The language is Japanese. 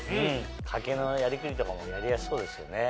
家計のやりくりとかもやりやすそうですよね。